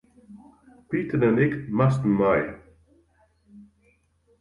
Piter en ik moasten mei.